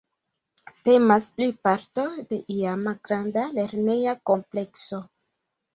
Temas pli parto de iama, granda lerneja komplekso.